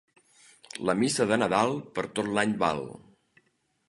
La Missa de Nadal per tot l'any val.